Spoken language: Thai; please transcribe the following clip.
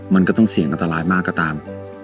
มันก็ต้องเสี่ยงอันตรายมากก็ตาม